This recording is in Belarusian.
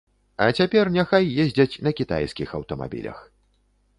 А цяпер няхай ездзяць на кітайскіх аўтамабілях.